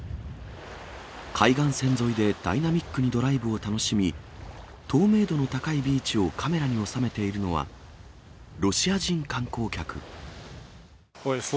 海岸線沿いでダイナミックにドライブを楽しみ、透明度の高いビーチをカメラに収めているのは、ロシア人観光客。